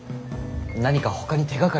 何かほかに手がかりは？